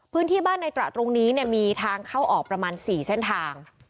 พื้นที่บ้านในตระตรงนี้เนี่ยมีทางเข้าออกประมาณ๔เส้นทาง